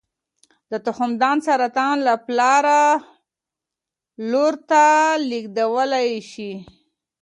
د تخمدان سرطان له پلاره لور ته لېږدېدلی شي.